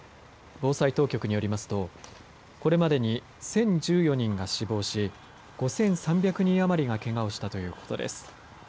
防災当局によりますとこれまでに１０１４人が死亡し５３００人余りがけがをしたということです。